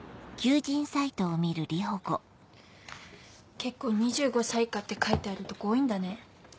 結構「２５歳以下」って書いてあるとこ多いんだね。